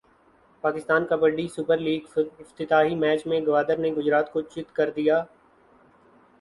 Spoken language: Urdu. پاکستان کبڈی سپر لیگافتتاحی میچ میں گوادر نے گجرات کو چت کردیا